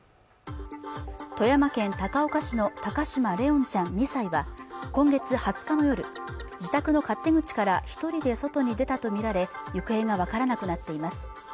富山県高岡市の高嶋怜音ちゃん２歳は今月２０日の夜自宅の勝手口から一人で外に出たと見られ行方が分からなくなっています